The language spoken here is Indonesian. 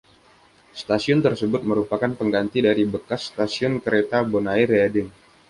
Stasiun tersebut merupakan pengganti dari bekas Stasiun Kereta Bonair Reading.